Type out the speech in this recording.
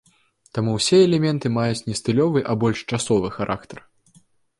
Таму ўсе элементы маюць не стылёвы, а больш часовы характар.